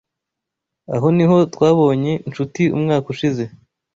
Aho niho twabonye Nshuti umwaka ushize.